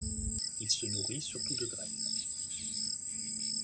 Il se nourrit surtout de graines.